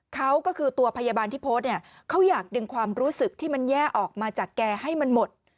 เขาก็คือตัวพยาบาลที่โพสต์เนี่ยเขาอยากดึงความรู้สึกที่มันแย่ออกมาจากแกให้มันหมด